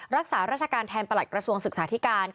รักษาราชการแทนประหลัดกระทรวงศึกษาธิการ